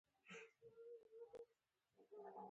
بادام د افغانستان د ځایي اقتصادونو یو بنسټ دی.